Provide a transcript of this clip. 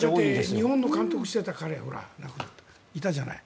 だって日本の監督していた彼いたじゃない。